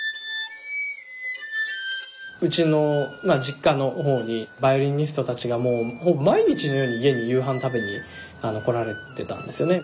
うちのまあ実家のほうにバイオリニストたちがもうほぼ毎日のように家に夕飯食べに来られてたんですよね。